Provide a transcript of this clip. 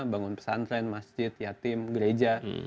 bangun pesantren masjid yatim gereja